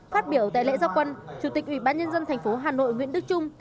phát biểu tại lễ gia quân chủ tịch ủy ban nhân dân thành phố hà nội nguyễn đức trung